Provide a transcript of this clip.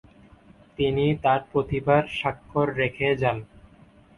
তিনি তার প্রতিভার সাক্ষর রেখে যান।